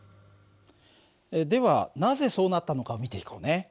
ではなぜそうなったのかを見ていこうね。